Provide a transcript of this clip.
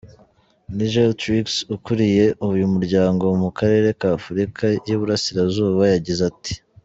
Nigel Tricks, ukuriye uyu muryango mu karere k'Afurika y'iburasirazuba, yagize ati:.